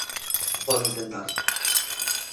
Poden sentarse.